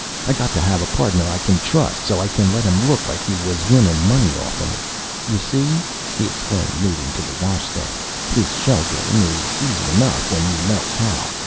I got to have a podner I can trust, so I can let him look like he was winnin' money off of me. You see," he explained, moving to the washstand, "this shell game is easy enough when you know how.